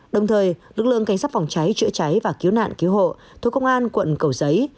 đồng thời lực lượng cảnh sát phòng cháy chữa cháy và cứu nạn cứu hộ thuộc công an quận cầu giấy